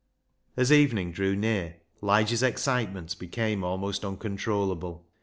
As eveningdrew near, Lige'sexcitementbecame almost uncontrollable.